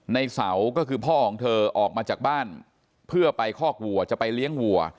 ในเสาก็คือพ่อของเธอออกมาจากบ้านเพื่อไปคอกวัวจะไปเลี้ยงวัว